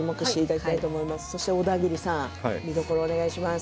そして、オダギリさんも見どころお願いします。